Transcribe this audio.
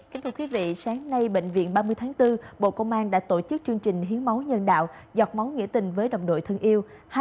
kính thưa quý vị sáng nay bệnh viện ba mươi tháng bốn bộ công an đã tổ chức chương trình hiến máu nhân đạo giọt máu nghĩa tình với đồng đội thân yêu